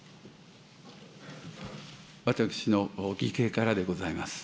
私の義兄からでございます。